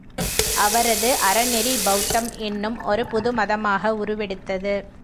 அவரது அறநெறி பெளத்தம் என்னும் ஒரு புது மதமாக உருவெடுத்தது.